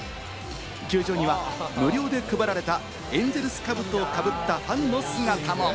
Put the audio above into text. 球場には無料で配られたエンゼルス・カブトをかぶったファンの姿も。